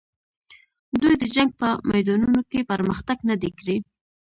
دوی د جنګ په میدانونو کې پرمختګ نه دی کړی.